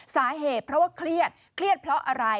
สาเหตุเพราะว่าเครียดเครียดเพราะอะไร